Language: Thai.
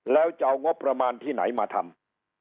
แล้วจะเอางบประมาณที่ไหนมาทำ